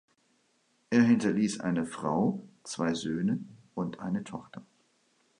Er hinterließ eine Frau, zwei Söhne und eine Tochter.